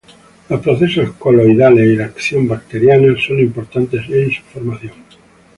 Los procesos coloidales y la acción bacteriana son importantes en su formación.